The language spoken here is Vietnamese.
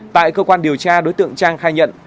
tại cơ quan điều tra đối tượng trang khai nhận